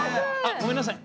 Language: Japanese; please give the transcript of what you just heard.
ごめんなさい。